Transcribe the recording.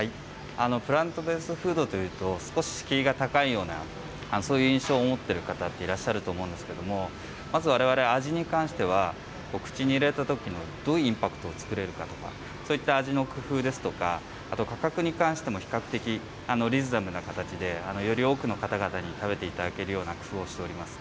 プラントベースフードというと、少し敷居が高いような、そういう印象を持っている方っていらっしゃると思うんですけど、まずわれわれ、味に関しては口に入れたときにどういうインパクトを作れるかとか、そういった味の工夫ですとか、あと価格に関しても、比較的リーズナブルな形で、より多くの方々に食べていただけるような工夫をしております。